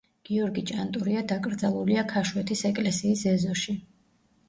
გიორგი ჭანტურია დაკრძალულია ქაშვეთის ეკლესიის ეზოში.